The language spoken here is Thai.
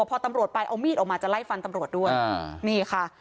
พอตำรวจไปเอามีดออกมาจะไล่ฟันตำรวจด้วยนี่ค่ะ